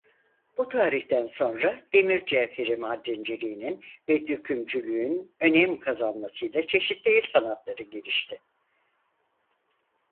Bu tarihten sonra demir cevheri madenciliğinin ve dökümcülüğün önem kazanmasıyla çeşitli el sanatları gelişti.